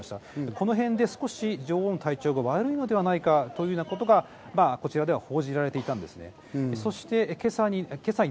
このへんで女王の体調が悪いんじゃないかということがこちらで報じられていたんです。